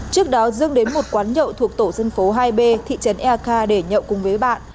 trước đó dương đến một quán nhậu thuộc tổ dân phố hai b thị trấn eak để nhậu cùng với bạn